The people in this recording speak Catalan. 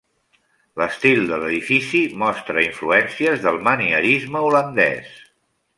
L'estil de l'edifici mostra influències del manierisme holandès.